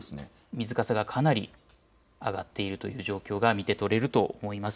水かさがかなり上がっているという状況が見て取れると思います。